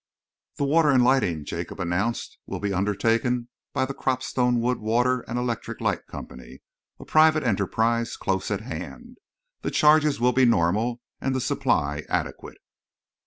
"The water and lighting," Jacob announced, "will be undertaken by the Cropstone Wood, Water and Electric Light Company, a private enterprise close at hand. The charges will be normal and the supply adequate."